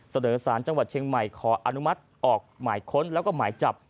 เสนอสารจังหวัดเชียงใหม่ขออนุมัติออกหมายค้นแล้วก็หมายจับ